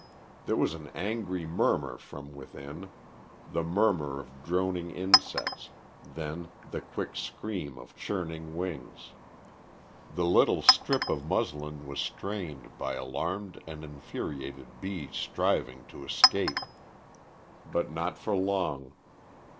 There was an angry murmur from within, the murmur of droning insects, then the quick scream of churning wings. The little strip of muslin was strained by alarmed and infuriated bees striving to escape. But not for long.